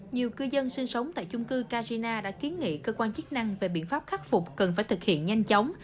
nhiều cư dân sinh sống tại chung cư carina đã kiến nghị cơ quan chức năng về biện pháp khắc phục cần phải thực hiện nhanh chóng